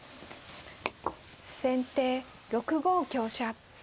先手６五香車。